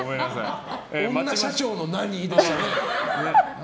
女社長の「何？」でしたね。